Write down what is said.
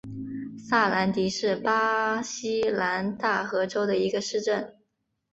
萨兰迪是巴西南大河州的一个市镇。